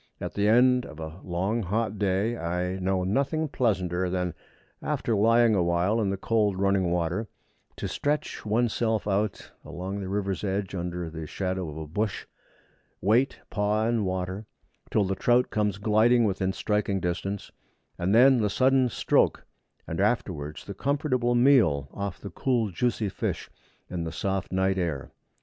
At the end of a long hot day, I know nothing pleasanter than, after lying a while in the cold running water, to stretch one's self out along the river's edge, under the shadow of a bush, and wait, paw in water, till the trout comes gliding within striking distance; and then the sudden stroke, and afterwards the comfortable meal off the cool juicy fish in the soft night air.